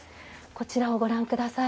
こちらをご覧下さい。